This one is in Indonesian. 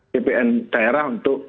bpn daerah untuk